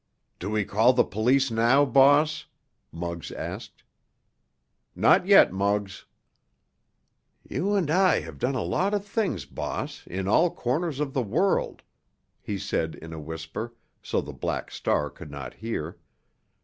"Do we call the police now, boss?" Muggs asked. "Not yet, Muggs." "You and I have done a lot of things, boss, in all corners of the world," he said in a whisper, so the Black Star could not hear.